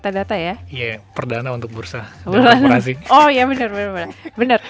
oh iya bener bener